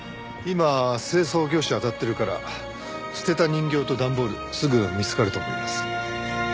今清掃業者あたってるから捨てた人形と段ボールすぐ見つかると思います。